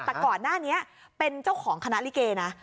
แต่ก่อนหน้านี้เป็นเจ้าของคณะลิเกนะ